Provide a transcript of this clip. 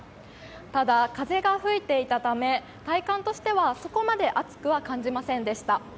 ただ、風が吹いていたため、体感としてはそこまで暑くは感じませんでした。